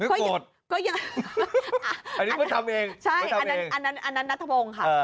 ไม่โกรธอันนี้มันทำเองมันทำเองใช่อันนั้นนัทพงค่ะ